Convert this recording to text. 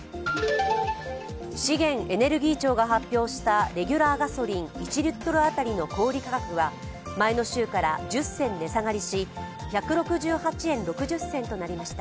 資源エネルギー庁が発表したレギュラーガソリン１リットル当たりの小売価格は前の週から１０銭値下がりし１６８円６０銭となりました。